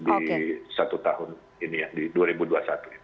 di satu tahun ini ya di dua ribu dua puluh satu ya